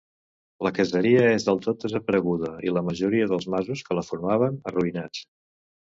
La caseria és del tot desapareguda, i la majoria dels masos que la formaven, arruïnats.